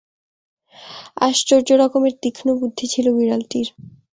আশ্চর্য রকমের তীক্ষ্ণবুদ্ধি ছিল বিড়ালটির।